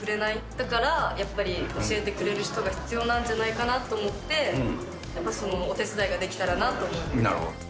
だからやっぱり教えてくれる人が必要なんじゃないかなと思って、そのお手伝いができたらなと思います。